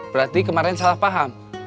berarti kemarin salah paham